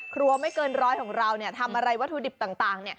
ครัวไม่เกินร้อยของเราทำอะไรวัตถุดิบต่าง